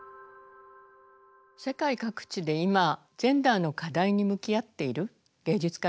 世界各地で今ジェンダーの課題に向き合っている芸術家がいます。